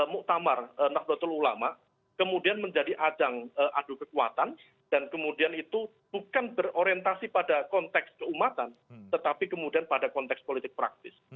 muktamar nahdlatul ulama kemudian menjadi ajang adu kekuatan dan kemudian itu bukan berorientasi pada konteks keumatan tetapi kemudian pada konteks politik praktis